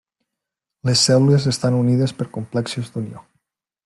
Les cèl·lules estan unides per complexos d'unió.